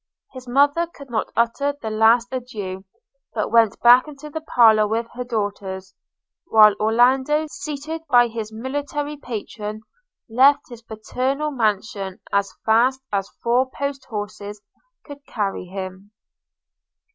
– His mother could not utter the last adieu! but went back into the parlour with her daughters; while Orlando, seated by his military patron, left his paternal mansion as fast as four post horses could carry him.